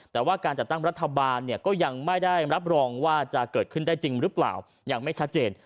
แต่ว่าการจัดตั้งรัฐบาลเนี่ยก็ยังไม่ได้รับรองว่าจะเกิดขึ้นได้จริงหรือเปล่ายังไม่ชัดเจน